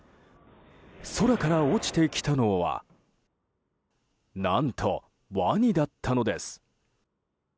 空から落ちてきたのは何と、ワニだったのです。